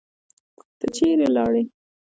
ته چیرې لاړې؟